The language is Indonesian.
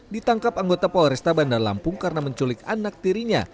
ditangkap anggota polresta bandar lampung karena menculik anak tirinya